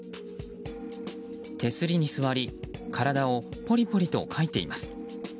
手すりに座り体をポリポリとかいています。